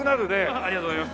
ありがとうございます。